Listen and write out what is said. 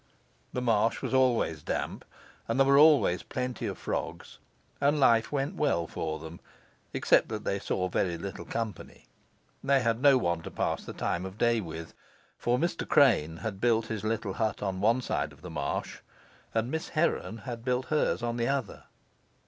The marsh was always damp, and there were always plenty of frogs, and life went well for them, except that they saw very little company. They had no one to pass the time of day with. For Mr. Crane had built his little hut on one side of the marsh, and Miss Heron had built hers on the other.